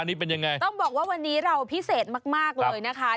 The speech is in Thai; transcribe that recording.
ต้องบอกว่าวันนี้เราพิเศษมากเลยนะคะ